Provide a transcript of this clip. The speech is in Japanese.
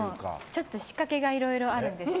ちょっと仕掛けがいろいろあるんです。